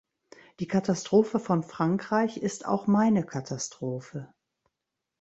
Die Katastrophe von Frankreich ist auch meine Katastrophe.